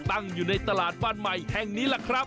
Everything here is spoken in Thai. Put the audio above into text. ตั้งอยู่ในตลาดบ้านใหม่แห่งนี้แหละครับ